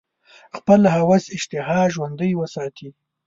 خپل هوس اشتها ژوندۍ وساتي.